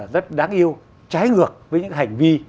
rất đáng yêu trái ngược với những hành vi